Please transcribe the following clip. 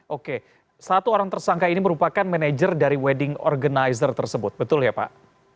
oke satu orang tersangka ini merupakan manajer dari wedding organizer tersebut betul ya pak